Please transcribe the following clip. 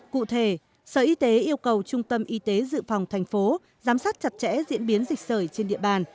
cụ thể sở y tế yêu cầu trung tâm y tế dự phòng thành phố giám sát chặt chẽ diễn biến dịch sởi trên địa bàn